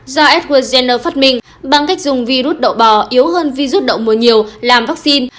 do edward jenner phát minh bằng cách dùng virus đậu bò yếu hơn virus đậu mùa nhiều làm vaccine